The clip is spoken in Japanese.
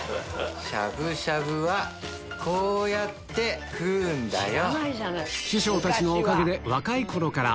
しゃぶしゃぶはこうやって食うんだよ。